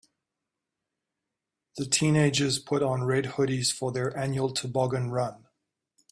The teenagers put on red hoodies for their annual toboggan run.